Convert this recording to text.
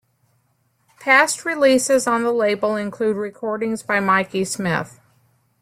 Past releases on the label include recordings by Mikey Smith.